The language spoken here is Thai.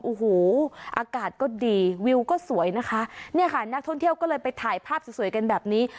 โอ้โหอากาศก็ดีวิวก็สวยนะคะเนี่ยค่ะนักท่องเที่ยวก็เลยไปถ่ายภาพสวยสวยกันแบบนี้